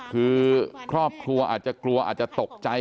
คือครอบครัวอาจจะกลัวอาจจะตกใจ